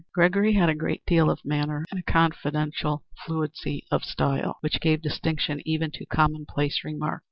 Gregory had a great deal of manner and a confidential fluency of style, which gave distinction even to commonplace remarks.